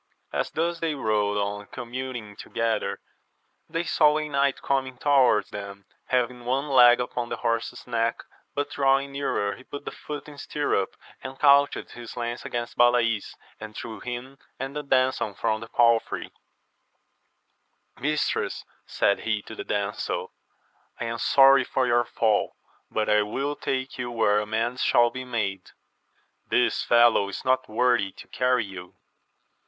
As thus they rode on communing together, they saw a knight coming towards them having one leg upon the horse's neck, but drawing nearer he put foot in stirrup, and couched his lance against Balays^ and threw him and the damsel f lom l\ife ^«^St«^ » \Ki^^<»» VOL. I. W 1G2 AMADIS OF GAUL. aaid he then to the damsel, I am sorry for your fall, but I will take you where amends shall be made: this fellow is not worthy to carry you.